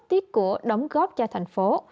tiếc của đóng góp cho thành phố